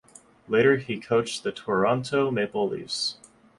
Later he coached the Toronto Maple Leafs.